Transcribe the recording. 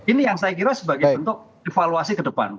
ini yang saya kira sebagai bentuk evaluasi ke depan